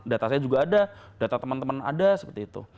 data saya juga ada data teman teman ada seperti itu